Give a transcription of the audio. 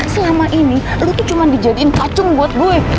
selama ini lo tuh cuma dijadiin pacung buat gue